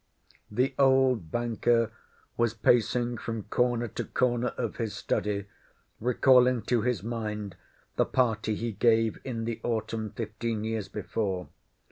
The old banker was pacing from corner to corner of his study, recalling to his mind the party he gave in the autumn fifteen years before.